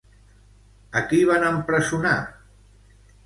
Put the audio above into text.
A qui van empresonar?